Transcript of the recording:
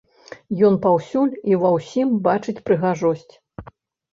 Ён паўсюль і ва ўсім бачыць прыгажосць.